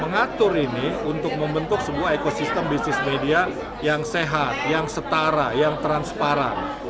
mengatur ini untuk membentuk sebuah ekosistem bisnis media yang sehat yang setara yang transparan